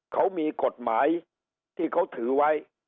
เขามีกฎหมายที่เขาถือไว้